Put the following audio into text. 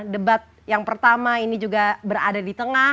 debat yang pertama ini juga berada di tengah